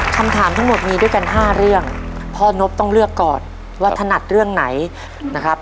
คำถามทั้งหมดมีด้วยกัน๕เรื่องพ่อนบต้องเลือกก่อนว่าถนัดเรื่องไหนนะครับ